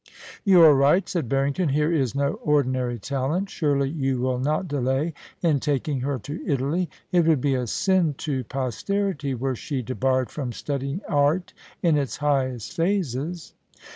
You are right,* said Barrington. * Here is no ordinary talent Surely you will not delay in taking her to Italy. It would be a sin to posterity were she debarred from studying art in its highest phases.